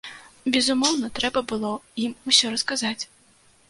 Безумоўна, трэба было ім усё расказаць.